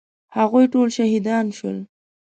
هغوی ټول شهیدان شول.